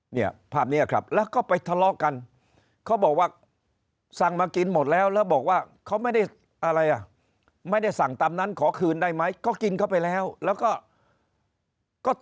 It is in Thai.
เนี่ยภาพนี้ครับแล้วก็ไปทะเลาะกันเขาบอกว่าสั่งมากินหมดแล้วแล้วบอกว่าเขาไม่ได้อะไรอ่ะไม่ได้สั่งตามนั้นขอคืนได้ไหมก็กินเข้าไปแล้วแล้วก็ก็